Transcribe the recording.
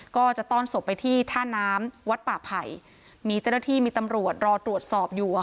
ก็จะต้อนศพไปที่ท่าน้ำวัดป่าไผ่มีเจ้าหน้าที่มีตำรวจรอตรวจสอบอยู่